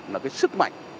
là cái sức mạnh